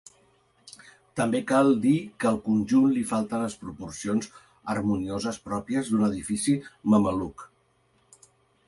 També cal dir que al conjunt li falten les proporcions harmonioses pròpies d'un edifici mameluc.